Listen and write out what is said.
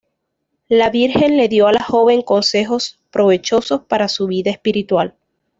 La Virgen le dio a la joven consejos provechosos para su vida espiritual.